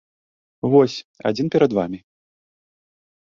Вось, адзін перад вамі!